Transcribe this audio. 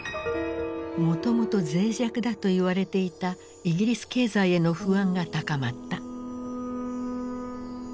もともとぜい弱だと言われていたイギリス経済への不安が高まった。